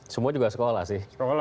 semua juga sekolah sih